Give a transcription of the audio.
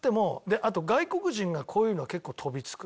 あと外国人がこういうのは結構飛びつく。